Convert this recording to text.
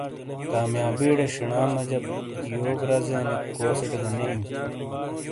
کامیابی ڑے شنا مجا یو رزےنیک کوسیٹ گہ نے ایں۔